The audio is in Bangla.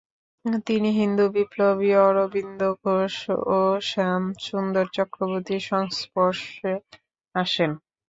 তিনি হিন্দু বিপ্লবী অরবিন্দ ঘোষ ও শ্যাম সুন্দর চক্রবর্তীর সংস্পর্শে আসেন।